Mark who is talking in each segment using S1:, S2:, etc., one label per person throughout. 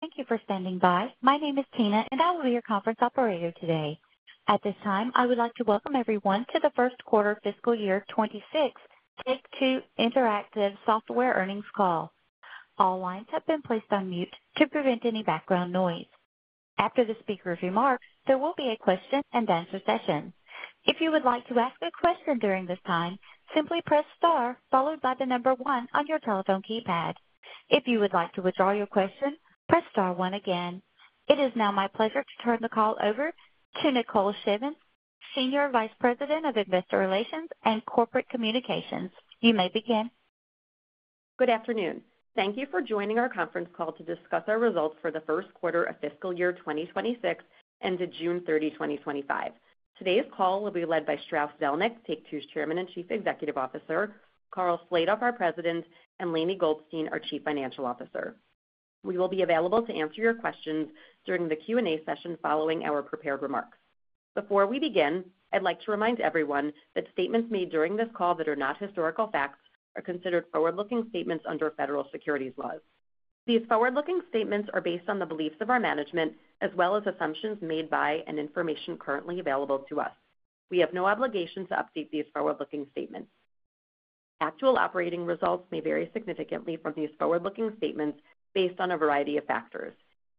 S1: .Thank you for standing by. My name is Tina, and I will be your conference operator today. At this time, I would like to welcome everyone to the first quarter fiscal year 2026 Take-Two Interactive Software earnings call. All lines have been placed on mute to prevent any background noise. After the speaker's remarks, there will be a question and answer session. If you would like to ask a question during this time, simply press star followed by the number one on your telephone keypad. If you would like to withdraw your question, press star one again. It is now my pleasure to turn the call over to Nicole Shevins, Senior Vice President of Investor Relations and Corporate Communications. You may begin.
S2: Good afternoon. Thank you for joining our conference call to discuss our results for the first quarter of fiscal year 2026 ended June 30, 2025. Today's call will be led by Strauss Zelnick, Take-Two's Chairman and Chief Executive Officer, Karl Slatoff, our President, and Lainie Goldstein, our Chief Financial Officer. We will be available to answer your questions during the Q&A session following our prepared remarks. Before we begin, I'd like to remind everyone that statements made during this call that are not historical facts are considered forward-looking statements under federal securities laws. These forward-looking statements are based on the beliefs of our management, as well as assumptions made by and information currently available to us. We have no obligation to update these forward-looking statements. Actual operating results may vary significantly from these forward-looking statements based on a variety of factors.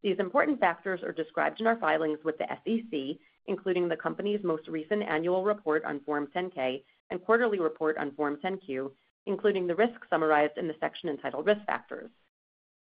S2: These important factors are described in our filings with the SEC, including the company's most recent annual report on Form 10-K and quarterly report on Form 10-Q, including the risks summarized in the section entitled Risk Factors.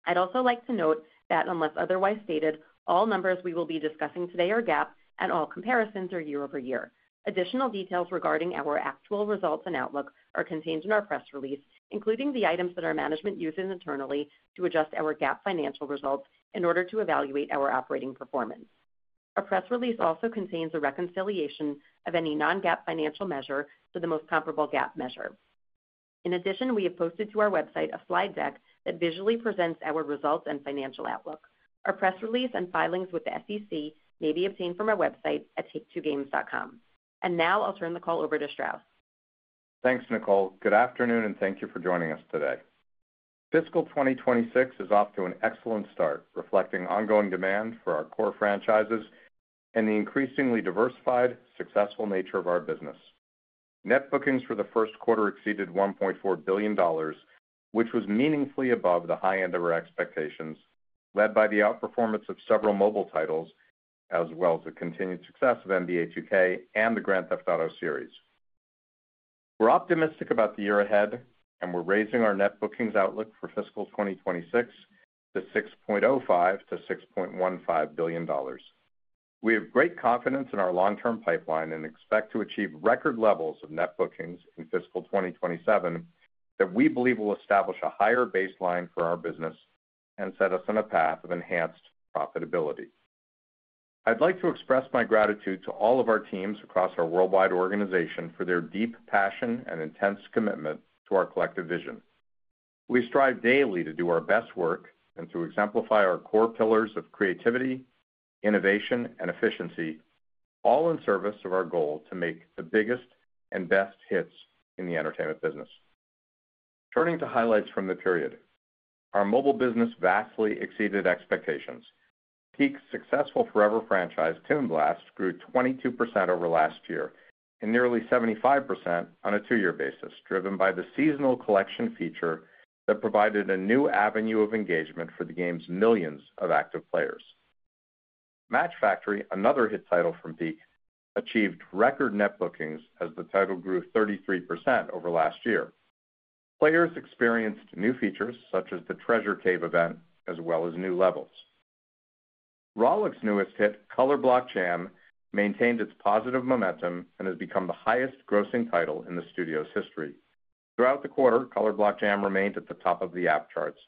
S2: I'd also like to note that unless otherwise stated, all numbers we will be discussing today are GAAP, and all comparisons are year over year. Additional details regarding our actual results and outlook are contained in our press release, including the items that our management uses internally to adjust our GAAP financial results in order to evaluate our operating performance. Our press release also contains a reconciliation of any non-GAAP financial measure to the most comparable GAAP measure. In addition, we have posted to our website a slide deck that visually presents our results and financial outlook. Our press release and filings with the SEC may be obtained from our website at taketwogames.com. Now I'll turn the call over to Strauss.
S3: Thanks, Nicole. Good afternoon and thank you for joining us today. Fiscal 2026 is off to an excellent start, reflecting ongoing demand for our core franchises and the increasingly diversified, successful nature of our business. Net bookings for the first quarter exceeded $1.4 billion, which was meaningfully above the high end of our expectations, led by the outperformance of several mobile titles, as well as the continued success of NBA 2K and the Grand Theft Auto series. We're optimistic about the year ahead, and we're raising our net bookings outlook for fiscal 2026 to $6.05 million-$6.15 billion. We have great confidence in our long-term pipeline and expect to achieve record levels of net bookings in fiscal 2027 that we believe will establish a higher baseline for our business and set us on a path of enhanced profitability. I'd like to express my gratitude to all of our teams across our worldwide organization for their deep passion and intense commitment to our collective vision. We strive daily to do our best work and to exemplify our core pillars of creativity, innovation, and efficiency, all in service of our goal to make the biggest and best hits in the entertainment business. Turning to highlights from the period, our mobile business vastly exceeded expectations. Peak's successful forever franchise, Toon Blast, grew 22% over last year and nearly 75% on a two-year basis, driven by the seasonal collection feature that provided a new avenue of engagement for the game's millions of active players. Match Factory!, another hit title from Peak, achieved record net bookings as the title grew 33% over last year. Players experienced new features such as the Treasure Cave event, as well as new levels. Zynga's newest hit, Color Block Jam, maintained its positive momentum and has become the highest grossing title in the studio's history. Throughout the quarter, Color Block Jam remained at the top of the app charts,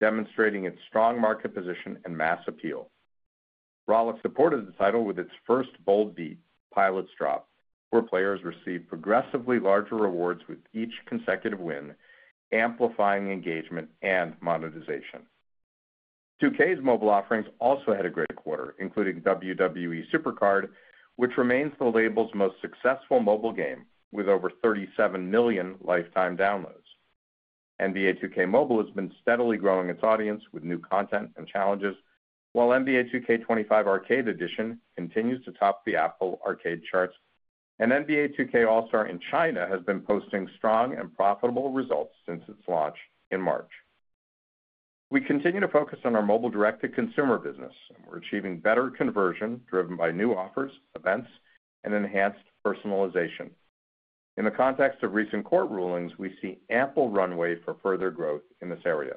S3: demonstrating its strong market position and mass appeal. Zynga supported the title with its first bold beat, Pilot's Drop, where players received progressively larger rewards with each consecutive win, amplifying engagement and monetization. 2K's mobile offerings also had a great quarter, including WWE SuperCard, which remains the label's most successful mobile game with over 37 million lifetime downloads. NBA 2K Mobile has been steadily growing its audience with new content and challenges, while NBA 2K25 Arcade Edition continues to top the Apple Arcade charts, and NBA 2K also in China has been posting strong and profitable results since its launch in March. We continue to focus on our mobile-directed consumer business, and we're achieving better conversion driven by new offers, events, and enhanced personalization. In the context of recent court rulings, we see ample runway for further growth in this area.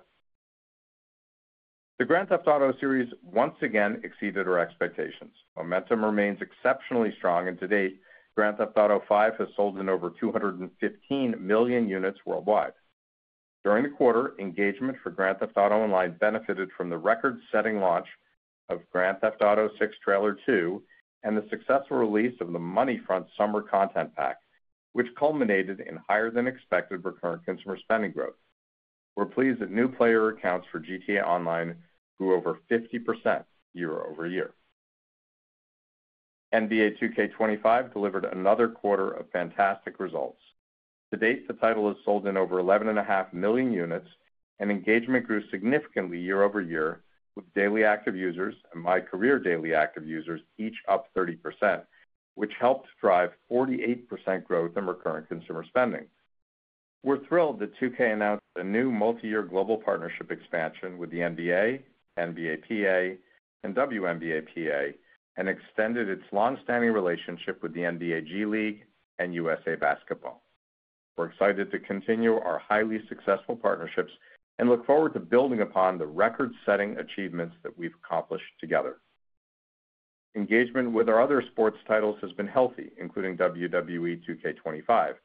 S3: The Grand Theft Auto series once again exceeded our expectations. Momentum remains exceptionally strong, and to date, Grand Theft Auto V has sold in over 215 million units worldwide. During the quarter, engagement for Grand Theft Auto Online benefited from the record-setting launch of Grand Theft Auto VI Trailer 2 and the successful release of the Money Front Summer Content Pack, which culminated in higher than expected recurrent consumer spending growth. We're pleased that new player accounts for GTA Online grew over 50% year-over-year. NBA 2K25 delivered another quarter of fantastic results. To date, the title has sold in over 11.5 million units, and engagement grew significantly year-over-year with daily active users and MyCAREER daily active users each up 30%, which helped drive 48% growth in recurrent consumer spending. We're thrilled that 2K announced a new multi-year global partnership expansion with the NBA, NBAPA, and WNBPA, and extended its long-standing relationship with the NBA G League and USA Basketball. We're excited to continue our highly successful partnerships and look forward to building upon the record-setting achievements that we've accomplished together. Engagement with our other sports titles has been healthy, including WWE 2K25,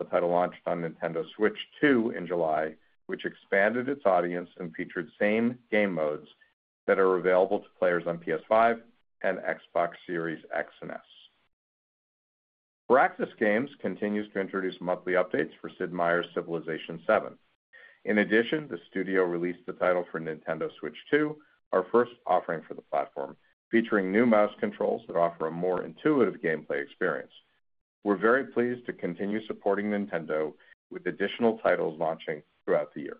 S3: a title launched on Nintendo Switch 2 in July, which expanded its audience and featured the same game modes that are available to players on PS5 and Xbox Series X and S. Visual Concepts continues to introduce monthly updates for Sid Meier's Civilization VII. In addition, the studio released the title for Nintendo Switch 2, our first offering for the platform, featuring new mouse controls that offer a more intuitive gameplay experience. We're very pleased to continue supporting Nintendo with additional titles launching throughout the year.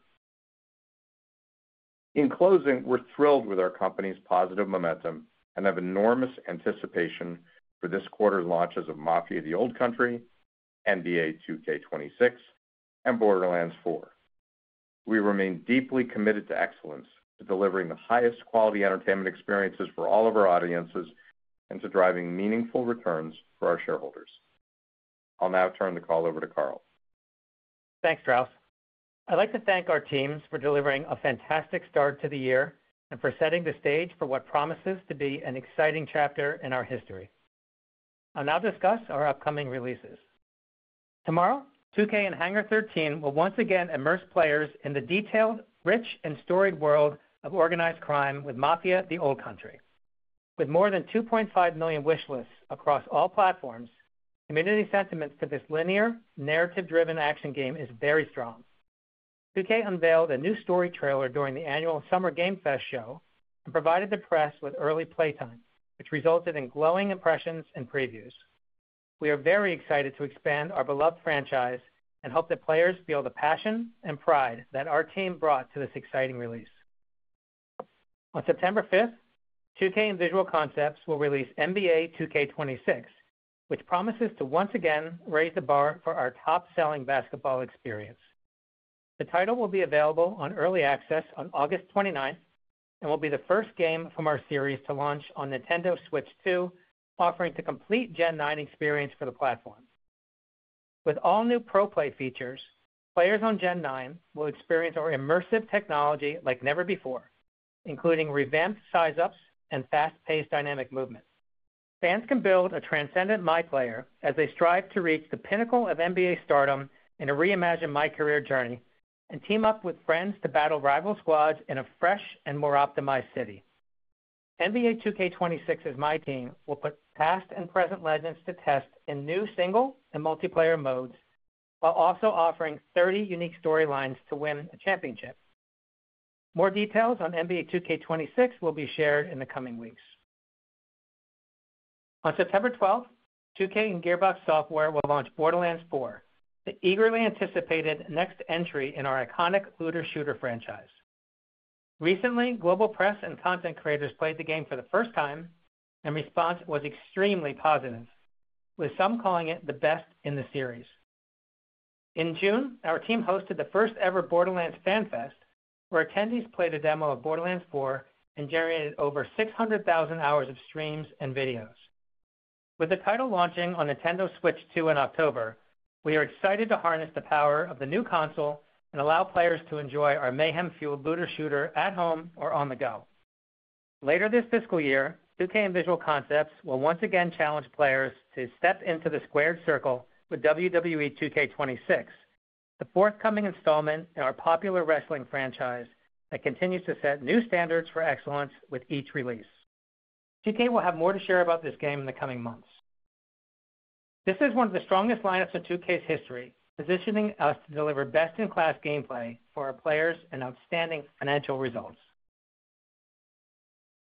S3: In closing, we're thrilled with our company's positive momentum and have enormous anticipation for this quarter's launches of Mafia: The Old Country, NBA 2K26, and Borderlands 4. We remain deeply committed to excellence, to delivering the highest quality entertainment experiences for all of our audiences, and to driving meaningful returns for our shareholders. I'll now turn the call over to Karl.
S4: Thanks, Strauss. I'd like to thank our teams for delivering a fantastic start to the year and for setting the stage for what promises to be an exciting chapter in our history. I'll now discuss our upcoming releases. Tomorrow, 2K and Hangar 13 will once again immerse players in the detailed, rich, and storied world of organized crime with Mafia: The Old Country. With more than 2.5 million wishlists across all platforms, community sentiment to this linear, narrative-driven action game is very strong. 2K unveiled a new story trailer during the annual Summer Game Fest show and provided the press with early playtime, which resulted in glowing impressions and previews. We are very excited to expand our beloved franchise and hope that players feel the passion and pride that our team brought to this exciting release. On September 5th, 2K and Visual Concepts will release NBA 2K26, which promises to once again raise the bar for our top-selling basketball experience. The title will be available on early access on August 29th and will be the first game from our series to launch on Nintendo Switch 2, offering the complete Gen 9 experience for the platforms. With all new pro-play features, players on Gen 9 will experience our immersive technology like never before, including revamped size-ups and fast-paced dynamic movements. Fans can build a transcendent MyPLAYER as they strive to reach the pinnacle of NBA stardom in a reimagined MyCAREER journey and team up with friends to battle rival squads in a fresh and more optimized city. NBA 2K26's MyTEAM will put past and present legends to test in new single and multiplayer modes, while also offering 30 unique storylines to win a championship. More details on NBA 2K26 will be shared in the coming weeks. On September 12th, 2K and Gearbox Software will launch Borderlands 4, the eagerly anticipated next entry in our iconic looter-shooter franchise. Recently, global press and content creators played the game for the first time, and response was extremely positive, with some calling it the best in the series. In June, our team hosted the first-ever Borderlands Fan Fest, where attendees played a demo of Borderlands 4 and generated over 600,000 hours of streams and videos. With the title launching on Nintendo Switch 2 in October, we are excited to harness the power of the new console and allow players to enjoy our mayhem-fueled looter-shooter at home or on the go. Later this fiscal year, 2K and Visual Concepts will once again challenge players to step into the squared circle with WWE 2K26, the forthcoming installment in our popular wrestling franchise that continues to set new standards for excellence with each release. 2K will have more to share about this game in the coming months. This is one of the strongest lineups in 2K's history, positioning us to deliver best-in-class gameplay for our players and outstanding financial results.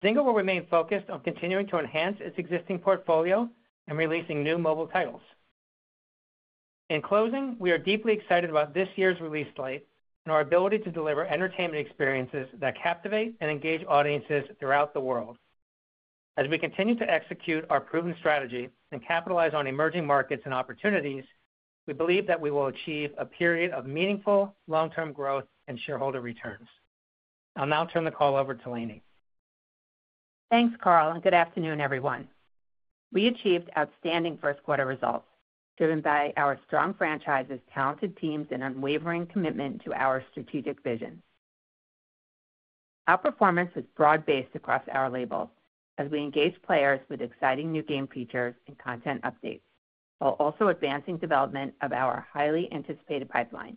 S4: Zynga will remain focused on continuing to enhance its existing portfolio and releasing new mobile titles. In closing, we are deeply excited about this year's release slate and our ability to deliver entertainment experiences that captivate and engage audiences throughout the world. As we continue to execute our proven strategy and capitalize on emerging markets and opportunities, we believe that we will achieve a period of meaningful long-term growth and shareholder returns. I'll now turn the call over to Lainie.
S5: Thanks, Karl, and good afternoon, everyone. We achieved outstanding first quarter results, driven by our strong franchises, talented teams, and unwavering commitment to our strategic vision. Our performance was broad-based across our labels, as we engaged players with exciting new game features and content updates, while also advancing development of our highly anticipated pipeline.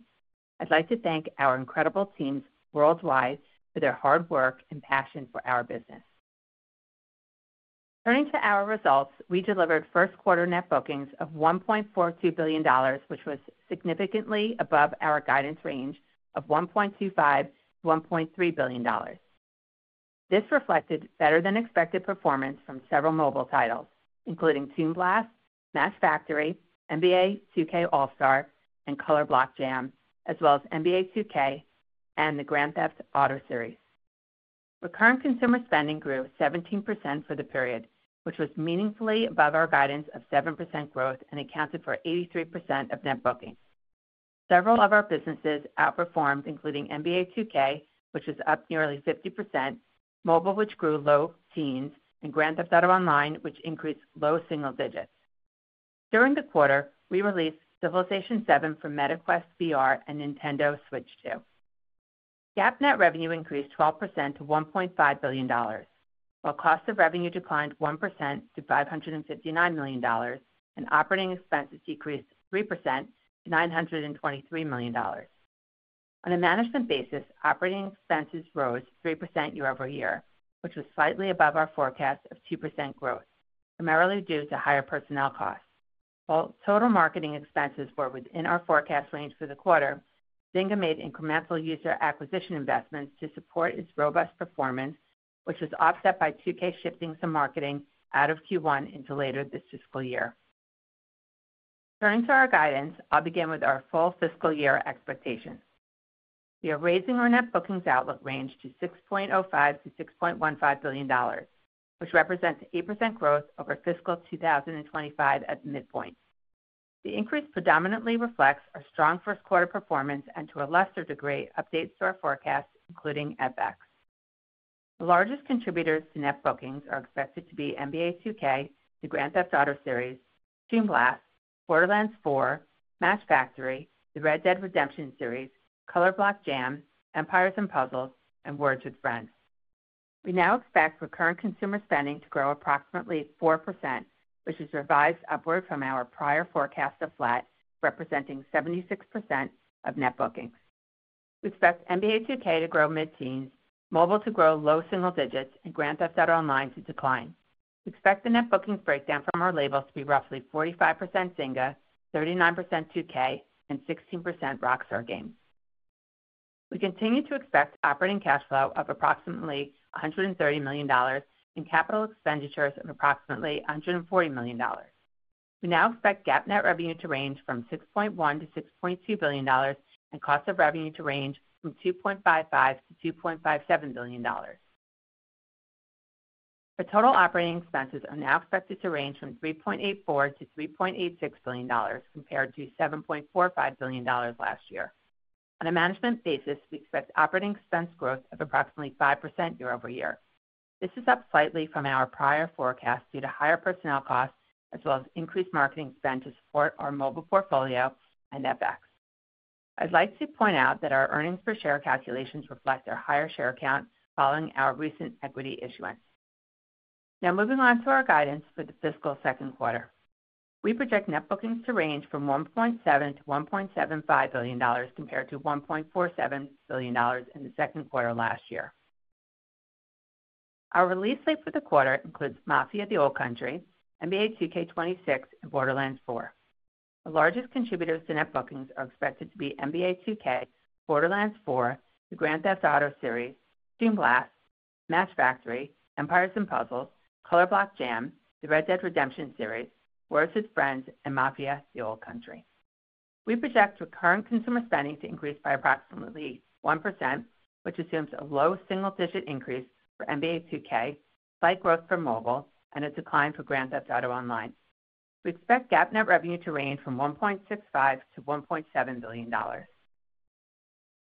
S5: I'd like to thank our incredible teams worldwide for their hard work and passion for our business. Turning to our results, we delivered first quarter net bookings of $1.42 billion, which was significantly above our guidance range of $1.25 billion-$1.3 billion. This reflected better than expected performance from several mobile titles, including Toon Blast, Match Factory!, NBA 2K All-Star, and Color Block Jam, as well as NBA 2K and the Grand Theft Auto series. Recurrent consumer spending grew 17% for the period, which was meaningfully above our guidance of 7% growth and accounted for 83% of net bookings. Several of our businesses outperformed, including NBA 2K, which was up nearly 50%, mobile, which grew low teens, and Grand Theft Auto Online, which increased low single digits. During the quarter, we released Civilization VII for Meta Quest VR and Nintendo Switch 2. GAAP net revenue increased 12% to $1.5 billion, while cost of revenue declined 1% to $559 million, and operating expenses decreased 3% to $923 million. On a management basis, operating expenses rose 3% year-over-year, which was slightly above our forecast of 2% growth, primarily due to higher personnel costs. While total marketing expenses were within our forecast range for the quarter, Zynga made incremental user acquisition investments to support its robust performance, which was offset by 2K shifting some marketing out of Q1 into later this fiscal year. Turning to our guidance, I'll begin with our full fiscal year expectations. We are raising our net bookings outlook range to $6.05 billion-$6.15 billion, which represents 8% growth over fiscal 2025 at midpoint. The increase predominantly reflects our strong first quarter performance and, to a lesser degree, updates to our forecasts, including FX. The largest contributors to net bookings are expected to be NBA 2K, the Grand Theft Auto series, Toon Blast, Borderlands 4, Match Factory!, the Red Dead Redemption series, Color Block Jam, Empires & Puzzles, and Words With Friends. We now expect recurrent consumer spending to grow approximately 4%, which is revised upward from our prior forecast of flat, representing 76% of net bookings. We expect NBA 2K to grow mid-teens, mobile to grow low single digits, and Grand Theft Auto Online to decline. We expect the net bookings breakdown from our labels to be roughly 45% Zynga, 39% 2K, and 16% Rockstar Games. We continue to expect operating cash flow of approximately $130 million and capital expenditures of approximately $140 million. We now expect GAAP net revenue to range from $6.1 billion to $6.2 billion and cost of revenue to range from $2.55 billion to $2.57 billion. Our total operating expenses are now expected to range from $3.84 billion to $3.86 billion, compared to $7.45 billion last year. On a management basis, we expect operating expense growth of approximately 5% year-over-year. This is up slightly from our prior forecast due to higher personnel costs, as well as increased marketing spend to support our mobile portfolio and FX. I'd like to point out that our earnings per share calculations reflect our higher share count following our recent equity issuance. Now, moving on to our guidance for the fiscal second quarter, we project net bookings to range from $1.7 billion to $1.75 billion, compared to $1.47 billion in the second quarter last year. Our release slate for the quarter includes Mafia: The Old Country, NBA 2K26, and Borderlands 4. The largest contributors to net bookings are expected to be NBA 2K, Borderlands 4, the Grand Theft Auto series, Toon Blast, Match Factory!, Empires & Puzzles, Color Block Jam, the Red Dead Redemption series, Words With Friends, and Mafia: The Old Country. We project recurrent consumer spending to increase by approximately 1%, which assumes a low single-digit increase for NBA 2K, slight growth for mobile, and a decline for Grand Theft Auto Online. We expect GAAP net revenue to range from $1.65 billion to $1.7 billion.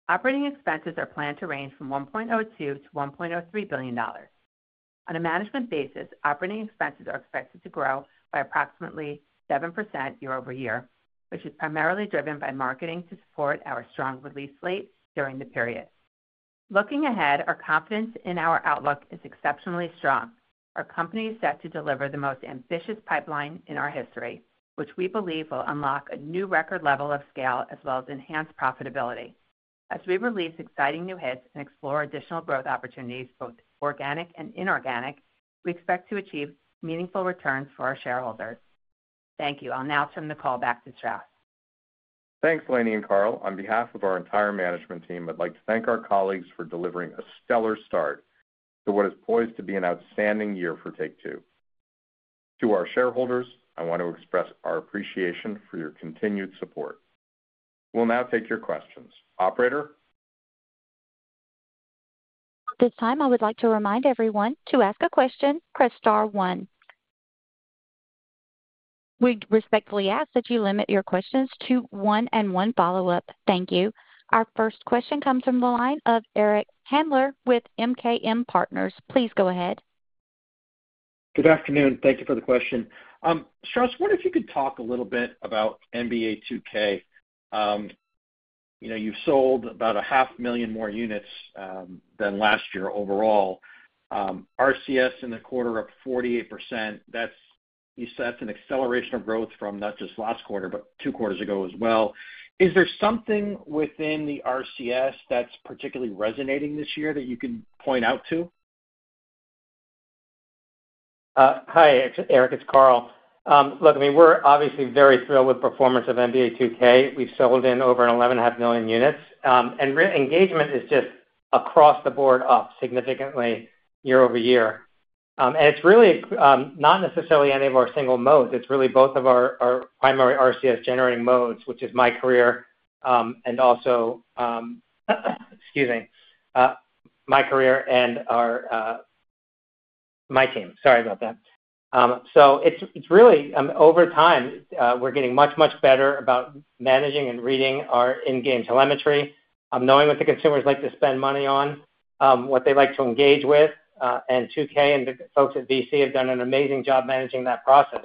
S5: Operating expenses are planned to range from $1.02 billion to $1.03 billion. On a management basis, operating expenses are expected to grow by approximately 7% year-over-year, which is primarily driven by marketing to support our strong release slate during the period. Looking ahead, our confidence in our outlook is exceptionally strong. Our company is set to deliver the most ambitious pipeline in our history, which we believe will unlock a new record level of scale, as well as enhance profitability. As we release exciting new hits and explore additional growth opportunities, both organic and inorganic, we expect to achieve meaningful returns for our shareholders. Thank you. I'll now turn the call back to Strauss.
S3: Thanks, Lainie and Karl. On behalf of our entire management team, I'd like to thank our colleagues for delivering a stellar start to what is poised to be an outstanding year for Take-Two. To our shareholders, I want to express our appreciation for your continued support. We'll now take your questions. Operator?
S1: At this time, I would like to remind everyone to ask a question, press star one. We respectfully ask that you limit your questions to one and one follow-up. Thank you. Our first question comes from the line of Eric Handler with MKM Partners. Please go ahead.
S6: Good afternoon. Thank you for the question. Strauss, I wonder if you could talk a little bit about NBA 2K. You've sold about a 0.5 million more units than last year overall. RCS in the quarter up 48%. You said that's an acceleration of growth from not just last quarter, but two quarters ago as well. Is there something within the RCS that's particularly resonating this year that you can point out to?
S4: Hi, Eric. It's Karl. Look, I mean, we're obviously very thrilled with the performance of NBA 2K. We've sold in over 11.5 million units, and engagement is just across the board up significantly year-over-year. It's really not necessarily any of our single modes. It's really both of our primary RCS-generating modes, which is My Career and also, excuse me, MyCAREER and our MyTEAM. Sorry about that. Over time, we're getting much, much better about managing and reading our in-game telemetry, knowing what the consumers like to spend money on, what they like to engage with. 2K and the folks at Visual Concepts have done an amazing job managing that process.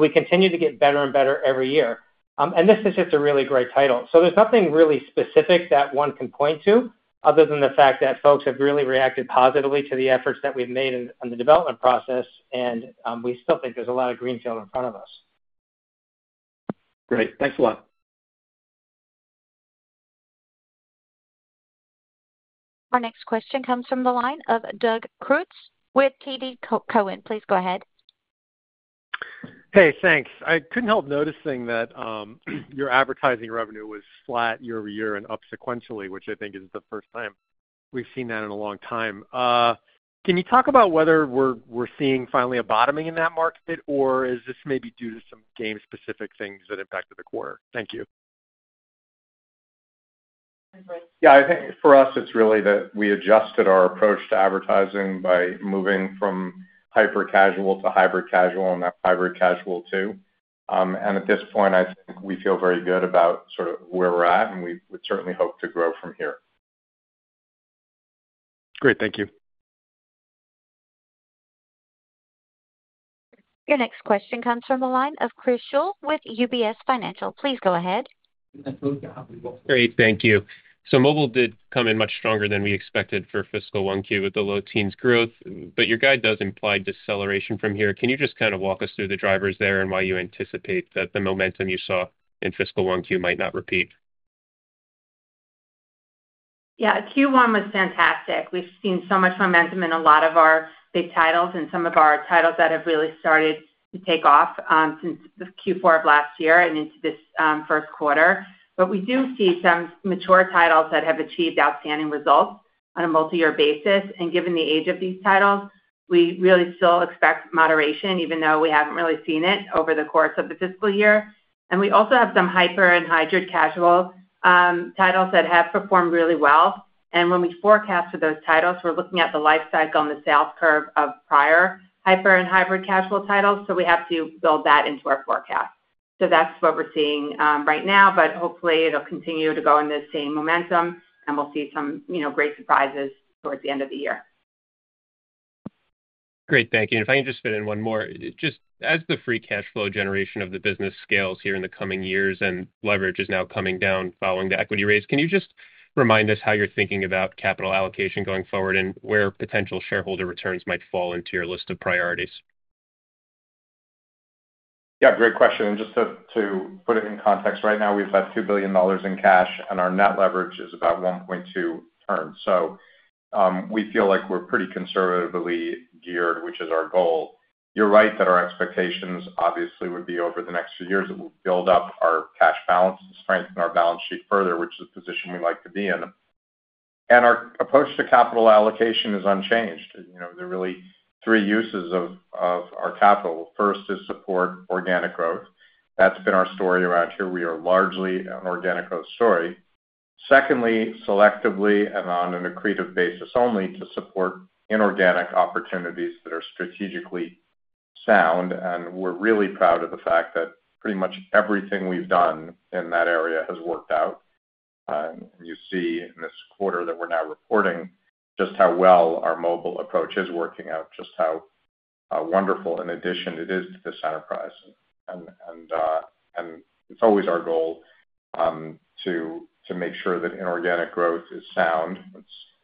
S4: We continue to get better and better every year. This is just a really great title. There's nothing really specific that one can point to, other than the fact that folks have really reacted positively to the efforts that we've made in the development process, and we still think there's a lot of greenfield in front of us.
S6: Great, thanks a lot.
S1: Our next question comes from the line of Doug Creutz with TD Cowen. Please go ahead.
S7: Hey, thanks. I couldn't help noticing that your advertising revenue was flat year-over-year and up sequentially, which I think is the first time we've seen that in a long time. Can you talk about whether we're seeing finally a bottoming in that market, or is this maybe due to some game-specific things that impacted the quarter? Thank you.
S3: I think for us, it's really that we adjusted our approach to advertising by moving from hyper-casual to hybrid-casual and that hybrid-casual too. At this point, I think we feel very good about sort of where we're at, and we would certainly hope to grow from here.
S7: Great. Thank you.
S1: Your next question comes from the line of Chris Schoell with UBS Financial. Please go ahead.
S8: Great. Thank you. Mobile did come in much stronger than we expected for fiscal 1Q with the low teens growth, but your guide does imply deceleration from here. Can you just kind of walk us through the drivers there and why you anticipate that the momentum you saw in fiscal 1Q might not repeat?
S5: Yeah, Q1 was fantastic. We've seen so much momentum in a lot of our big titles and some of our titles that have really started to take off since the Q4 of last year and into this first quarter. We do see some mature titles that have achieved outstanding results on a multi-year basis. Given the age of these titles, we really still expect moderation, even though we haven't really seen it over the course of the fiscal year. We also have some hyper-casual and hybrid-casual titles that have performed really well. When we forecast for those titles, we're looking at the life cycle and the sales curve of prior hyper-casual and hybrid-casual titles. We have to build that into our forecast. That's what we're seeing right now, but hopefully, it'll continue to go in the same momentum, and we'll see some great surprises towards the end of the year.
S8: Great. Thank you. If I can just fit in one more, just as the free cash flow generation of the business scales here in the coming years and leverage is now coming down following the equity raise, can you just remind us how you're thinking about capital allocation going forward and where potential shareholder returns might fall into your list of priorities?
S3: Great question. Just to put it in context, right now, we've got $2 billion in cash, and our net leverage is about $1.2 billion. We feel like we're pretty conservatively geared, which is our goal. You're right that our expectations obviously would be over the next few years that we'll build up our cash balance to strengthen our balance sheet further, which is the position we like to be in. Our approach to capital allocation is unchanged. There are really three uses of our capital. First is to support organic growth. That's been our story around here. We are largely an organic growth story. Secondly, selectively and on an accretive basis only, to support inorganic opportunities that are strategically sound. We're really proud of the fact that pretty much everything we've done in that area has worked out. You see in this quarter that we're now reporting just how well our mobile approach is working out, just how wonderful an addition it is to this enterprise. It's always our goal to make sure that inorganic growth is sound.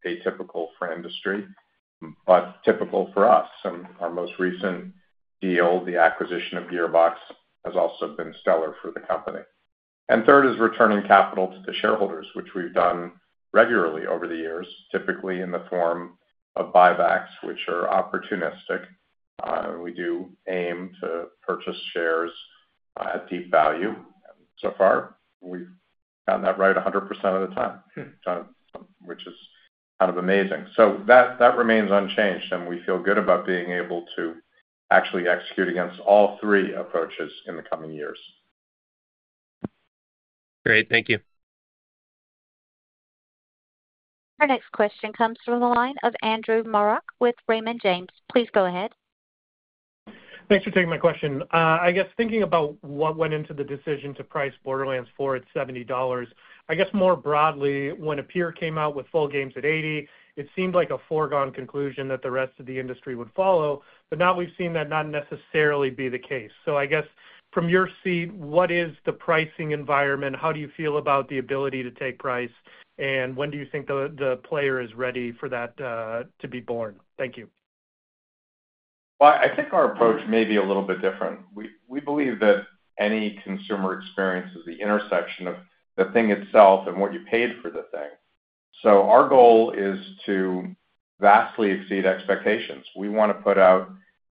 S3: It's atypical for industry, but typical for us. Our most recent deal, the acquisition of Gearbox, has also been stellar for the company. Third is returning capital to the shareholders, which we've done regularly over the years, typically in the form of buybacks, which are opportunistic. We do aim to purchase shares at deep value. So far, we've gotten that right 100% of the time, which is kind of amazing. That remains unchanged, and we feel good about being able to actually execute against all three approaches in the coming years.
S8: Great. Thank you.
S1: Our next question comes from the line of Andrew Marok with Raymond James. Please go ahead.
S9: Thanks for taking my question. Thinking about what went into the decision to price Borderlands 4 at $70, more broadly, when Apeir came out with full games at $80, it seemed like a foregone conclusion that the rest of the industry would follow. Now we've seen that not necessarily be the case. From your seat, what is the pricing environment? How do you feel about the ability to take price? When do you think the player is ready for that to be born? Thank you.
S3: I think our approach may be a little bit different. We believe that any consumer experience is the intersection of the thing itself and what you paid for the thing. Our goal is to vastly exceed expectations. We want to put out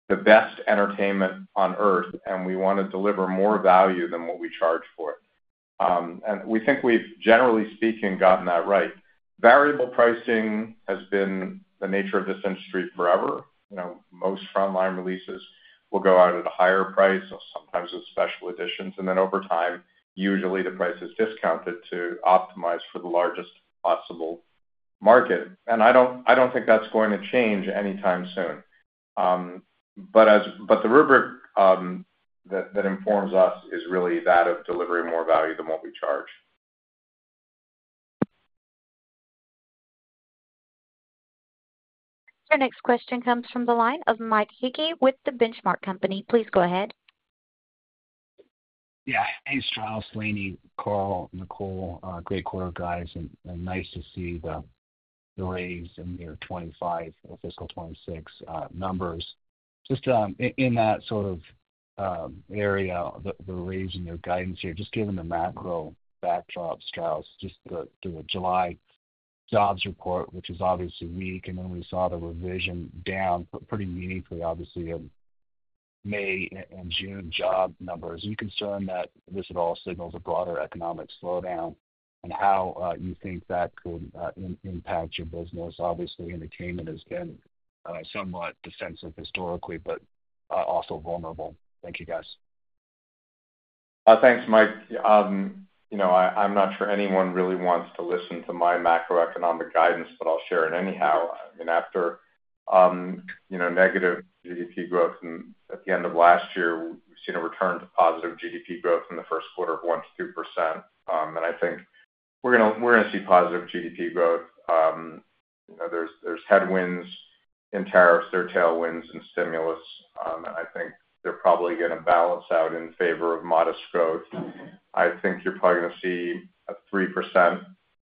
S3: the best entertainment on Earth, and we want to deliver more value than what we charge for it. We think we've, generally speaking, gotten that right. Variable pricing has been the nature of this industry forever. Most frontline releases will go out at a higher price, or sometimes with special editions. Over time, usually the price is discounted to optimize for the largest possible market. I don't think that's going to change anytime soon. The rubric that informs us is really that of delivering more value than what we charge.
S1: Our next question comes from the line of Mike Hickey with The Benchmark Company. Please go ahead.
S10: Yeah. Hey, Strauss, Lainie, Karl, Nicole, great quarter, guys, and nice to see the raise in year 2025 of fiscal 2026 numbers. Just in that sort of area of the raise in your guidance here, just given the macro backdrop, Strauss, just the July jobs report, which was obviously weak, and then we saw the revision down pretty meaningfully, obviously, in May and June job numbers. Are you concerned that this at all signals a broader economic slowdown and how you think that will impact your business? Obviously, entertainment has been somewhat defensive historically, but also vulnerable. Thank you, guys.
S3: Thanks, Mike. I'm not sure anyone really wants to listen to my macroeconomic guidance, but I'll share it anyhow. After negative GDP growth at the end of last year, we've seen a return to positive GDP growth in the first quarter of 1%-2%. I think we're going to see positive GDP growth. There are headwinds in tariffs, there are tailwinds in stimulus, and I think they're probably going to balance out in favor of modest growth. I think you're probably going to see a 3%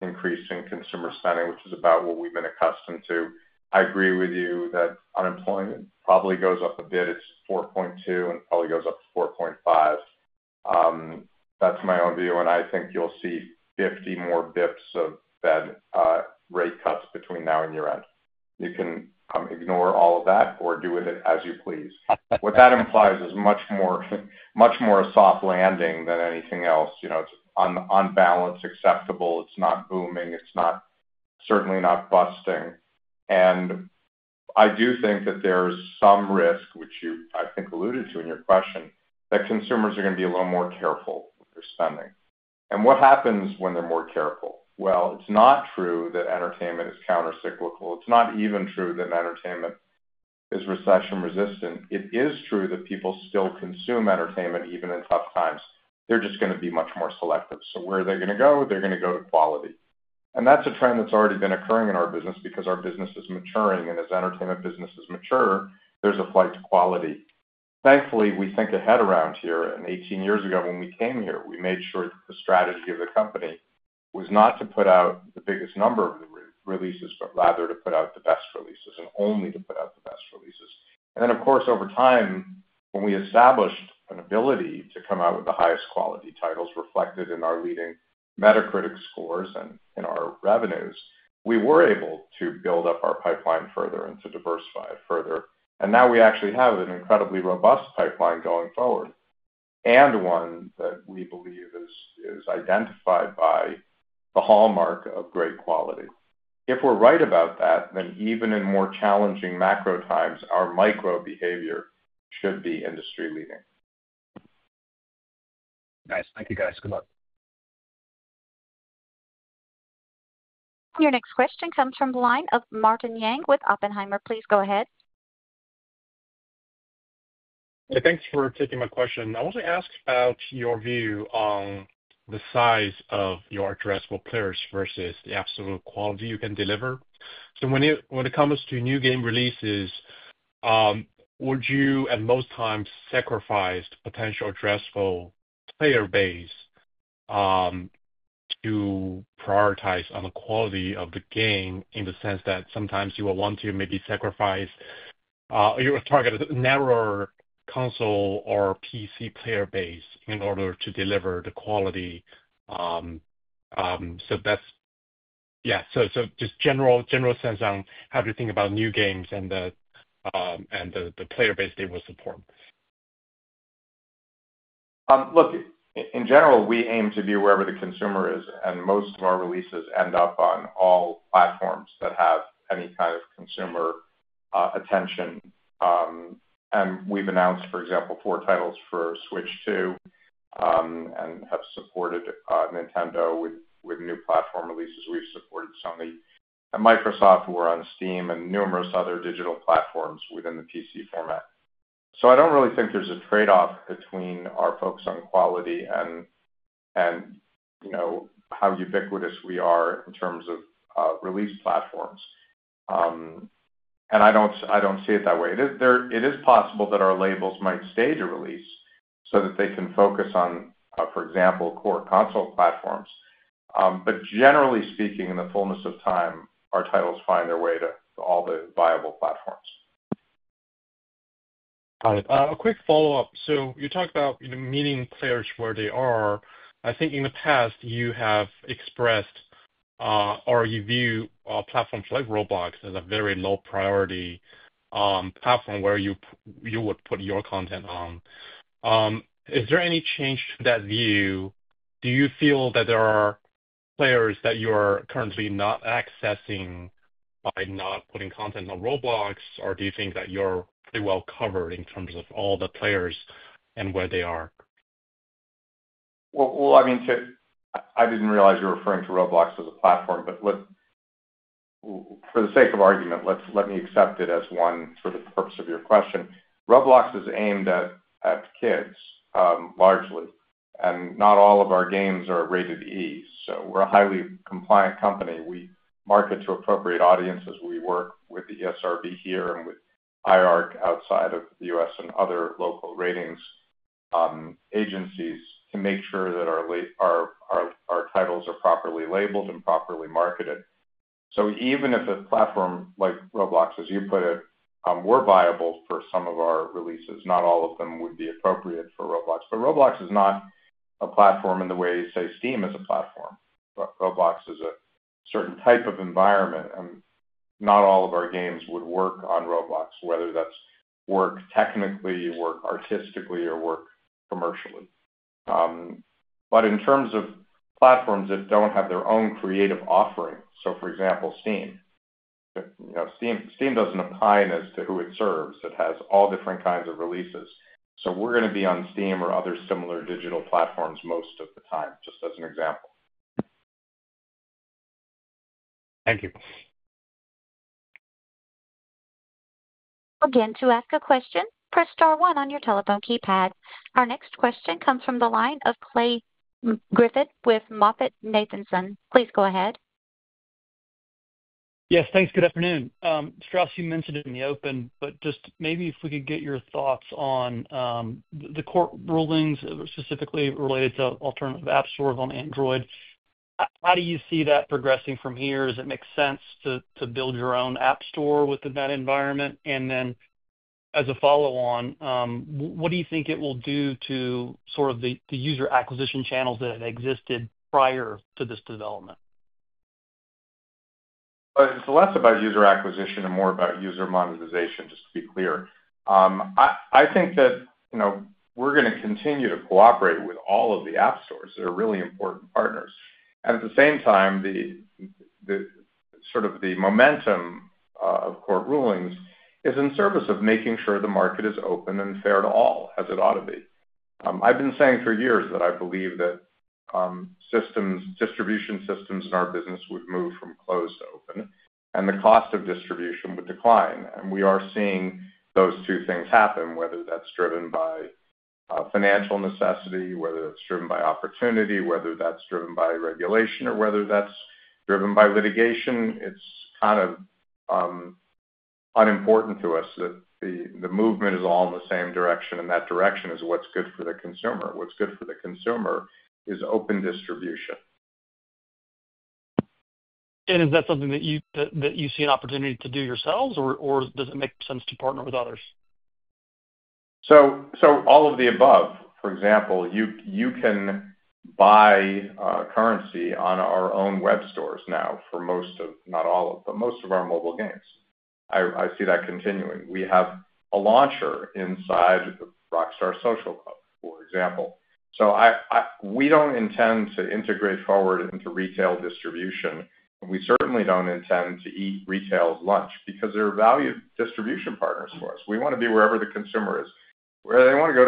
S3: increase in consumer spending, which is about what we've been accustomed to. I agree with you that unemployment probably goes up a bit. It's 4.2% and probably goes up to 4.5%. That's my own view. I think you'll see 50 more basis point of Fed rate cuts between now and year end. You can ignore all of that or do it as you please. What that implies is much more a soft landing than anything else. It's on balance, acceptable. It's not booming. It's certainly not busting. I do think that there's some risk, which you alluded to in your question, that consumers are going to be a little more careful with their spending. What happens when they're more careful? It's not true that entertainment is countercyclical. It's not even true that entertainment is recession-resistant. It is true that people still consume entertainment even in tough times. They're just going to be much more selective. Where are they going to go? They're going to go to quality. That's a trend that's already been occurring in our business because our business is maturing. As entertainment businesses mature, there's a flight to quality. Thankfully, we think ahead around here. Eighteen years ago, when we came here, we made sure that the strategy of the company was not to put out the biggest number of the releases, but rather to put out the best releases and only to put out the best releases. Over time, when we established an ability to come out with the highest quality titles reflected in our leading Metacritic scores and in our revenues, we were able to build up our pipeline further and to diversify it further. Now we actually have an incredibly robust pipeline going forward and one that we believe is identified by the hallmark of great quality. If we're right about that, then even in more challenging macro times, our micro behavior should be industry leading.
S10: Nice. Thank you, guys. Good luck.
S1: Your next question comes from the line of Martin Yang with Oppenheimer. Please go ahead.
S11: Thanks for taking my question. I want to ask about your view on the size of your addressable players versus the absolute quality you can deliver. When it comes to new game releases, would you at most times sacrifice potential addressable player base to prioritize on the quality of the game in the sense that sometimes you will want to maybe sacrifice your target narrower console or PC player base in order to deliver the quality? Just general sense on how to think about new games and the player base they will support.
S3: In general, we aim to be wherever the consumer is, and most of our releases end up on all platforms that have any kind of consumer attention. We've announced, for example, four titles for Switch 2 and have supported Nintendo with new platform releases. We've supported Sony and Microsoft. We're on Steam and numerous other digital platforms within the PC format. I don't really think there's a trade-off between our focus on quality and how ubiquitous we are in terms of release platforms. I don't see it that way. It is possible that our labels might stage a release so that they can focus on, for example, core console platforms. Generally speaking, in the fullness of time, our titles find their way to all the viable platforms.
S11: Got it. A quick follow-up. You talk about meeting players where they are. I think in the past, you have expressed or you view platforms like Roblox as a very low-priority platform where you would put your content on. Is there any change to that view? Do you feel that there are players that you are currently not accessing by not putting content on Roblox, or do you think that you're pretty well covered in terms of all the players and where they are?
S3: I didn't realize you were referring to Roblox as a platform, but for the sake of argument, let me accept it as one sort of purpose of your question. Roblox is aimed at kids largely, and not all of our games are rated E. We're a highly compliant company. We market to appropriate audiences. We work with the ESRB here and with IARC outside of the U.S. and other local ratings agencies to make sure that our titles are properly labeled and properly marketed. Even if a platform like Roblox, as you put it, were viable for some of our releases, not all of them would be appropriate for Roblox. Roblox is not a platform in the way, say, Steam is a platform. Roblox is a certain type of environment, and not all of our games would work on Roblox, whether that's work technically, work artistically, or work commercially. In terms of platforms that don't have their own creative offering, for example, Steam doesn't opine as to who it serves. It has all different kinds of releases. We're going to be on Steam or other similar digital platforms most of the time, just as an example.
S11: Thank you.
S1: Again, to ask a question, press star one on your telephone keypad. Our next question comes from the line of Clay Griffin with MoffettNathanson. Please go ahead.
S12: Yes, thanks. Good afternoon. Strauss, you mentioned it in the open, but just maybe if we could get your thoughts on the court rulings specifically related to alternative app stores on Android. How do you see that progressing from here? Does it make sense to build your own app store within that environment? As a follow-on, what do you think it will do to sort of the user acquisition channels that have existed prior to this development?
S3: It's less about user acquisition and more about user monetization, just to be clear. I think that we're going to continue to cooperate with all of the app stores that are really important partners. At the same time, sort of the momentum of court rulings is in service of making sure the market is open and fair to all, as it ought to be. I've been saying for years that I believe that distribution systems in our business would move from closed to open, and the cost of distribution would decline. We are seeing those two things happen, whether that's driven by financial necessity, whether that's driven by opportunity, whether that's driven by regulation, or whether that's driven by litigation. It's kind of unimportant to us that the movement is all in the same direction, and that direction is what's good for the consumer. What's good for the consumer is open distribution.
S12: Do you see an opportunity to do that yourselves, or does it make sense to partner with others?
S3: All of the above. For example, you can buy currency on our own web stores now for most of, not all of, but most of our mobile games. I see that continuing. We have a launcher inside Rockstar Social Club, for example. We don't intend to integrate forward into retail distribution. We certainly don't intend to eat retail lunch because they're valued distribution partners for us. We want to be wherever the consumer is. Where they want to go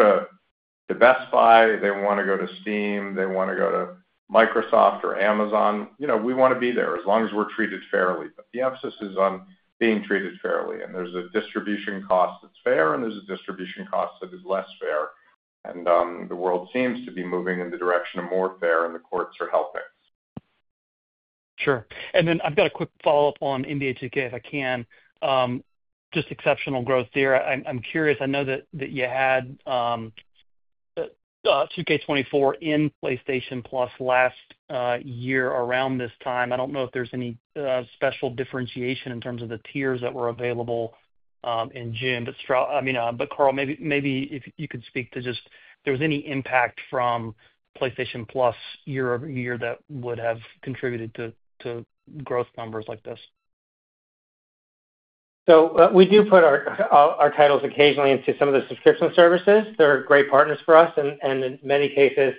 S3: to Best Buy, they want to go to Steam, they want to go to Microsoft or Amazon. We want to be there as long as we're treated fairly. The emphasis is on being treated fairly. There's a distribution cost that's fair, and there's a distribution cost that is less fair. The world seems to be moving in the direction of more fair, and the courts are helping.
S12: Sure. I've got a quick follow-up on NBA 2K if I can. Just exceptional growth there. I'm curious. I know that you had 2K24 in PlayStation Plus last year around this time. I don't know if there's any special differentiation in terms of the tiers that were available in June. Karl, maybe if you could speak to just if there was any impact from PlayStation Plus year-over-year that would have contributed to growth numbers like this.
S4: We do put our titles occasionally into some of the subscription services. They're great partners for us. In many cases,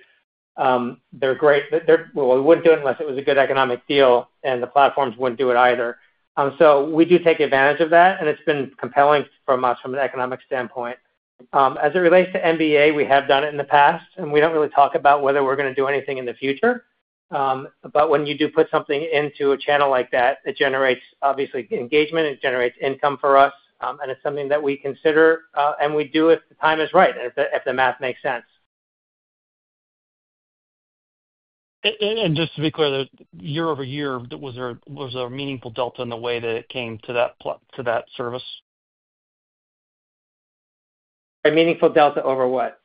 S4: they're great. We wouldn't do it unless it was a good economic deal, and the platforms wouldn't do it either. We do take advantage of that, and it's been compelling for us from an economic standpoint. As it relates to NBA, we have done it in the past, and we don't really talk about whether we're going to do anything in the future. When you do put something into a channel like that, it generates, obviously, engagement. It generates income for us, and it's something that we consider, and we do if the time is right and if the math makes sense.
S12: Just to be clear, year-over-year, was there a meaningful delta in the way that it came to that service?
S4: A meaningful delta over what?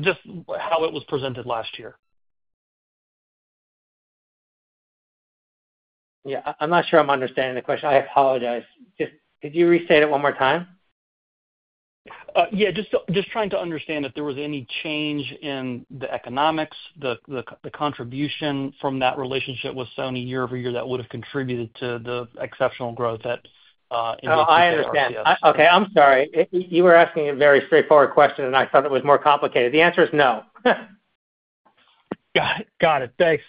S12: Just how it was presented last year.
S4: I'm not sure I'm understanding the question. I apologize. Could you restate it one more time?
S12: Just trying to understand if there was any change in the economics, the contribution from that relationship with Sony year-over-year that would have contributed to the exceptional growth.
S4: Oh, I understand. Okay, I'm sorry. You were asking a very straightforward question, and I thought it was more complicated. The answer is no.
S12: Got it. Thanks.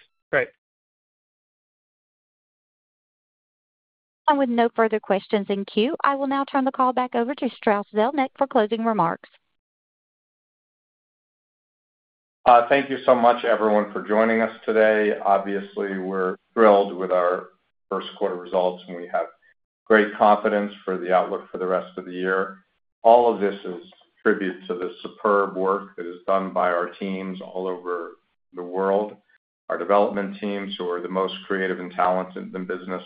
S12: Great.
S1: With no further questions in queue, I will now turn the call back over to Strauss Zelnick for closing remarks.
S3: Thank you so much, everyone, for joining us today. Obviously, we're thrilled with our first quarter results, and we have great confidence for the outlook for the rest of the year. All of this is a tribute to the superb work that is done by our teams all over the world, our development teams who are the most creative and talented in the business,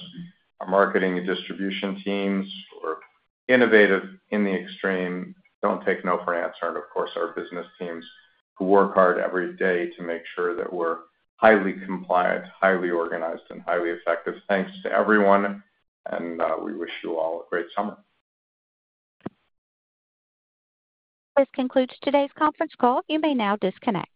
S3: our marketing and distribution teams who are innovative in the extreme, don't take no for an answer, and of course, our business teams who work hard every day to make sure that we're highly compliant, highly organized, and highly effective. Thanks to everyone, and we wish you all a great summer.
S1: This concludes today's conference call. You may now disconnect.